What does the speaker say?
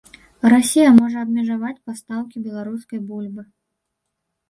Расія можа абмежаваць пастаўкі беларускай бульбы.